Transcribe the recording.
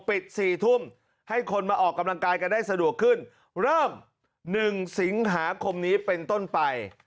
๔ทุ่มให้คนมาออกกำลังกายกันได้สะดวกขึ้นเริ่ม๑สิงหาคมนี้เป็นต้นไป